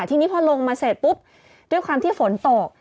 ทีนี้พอลงมาเสร็จปุ๊บด้วยความที่ฝนตก